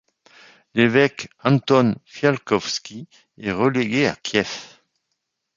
L'évêque Anton Fiałkowski est relégué à Kiev.